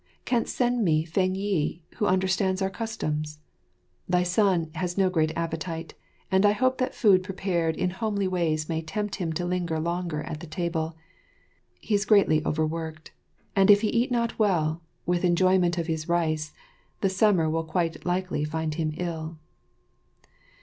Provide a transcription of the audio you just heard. Canst send me Feng yi, who understands our customs? Thy son has no great appetite, and I hope that food prepared in homely ways may tempt him to linger longer at the table. He is greatly over worked, and if he eat not well, with enjoyment of his rice, the summer will quite likely find him ill.